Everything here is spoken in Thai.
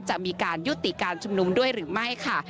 จะมีการยุติการชุมนุมด้วยหรือไม่ค่ะ